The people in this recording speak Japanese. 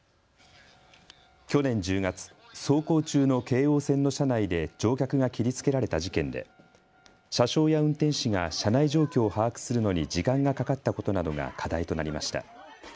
去年１０月、走行中の京王線の車内で乗客が切りつけられた事件で車掌や運転士が車内状況を把握するのに時間がかかったことなどが課題となりました。